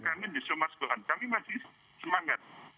kami masih semangat